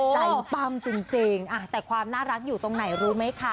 ปั้มจริงแต่ความน่ารักอยู่ตรงไหนรู้ไหมคะ